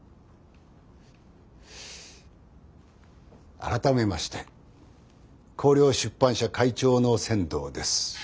改めまして光陵出版社会長の千堂です。